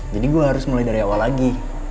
jadi gue harus mulai dari awal lagi